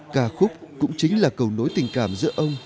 ca khúc cũng chính là cầu nối tình cảm giữa ông